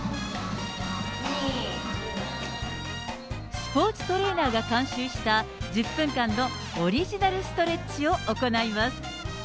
スポーツトレーナーが監修した１０分間のオリジナルストレッチを行います。